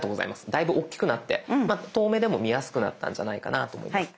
だいぶ大きくなって遠目でも見やすくなったんじゃないかなと思います。